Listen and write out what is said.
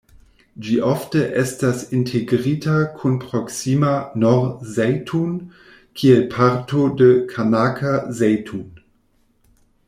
Ĝi ofte estas integrita kun proksima Nor-Zejtun kiel parto de Kanaker-Zejtun.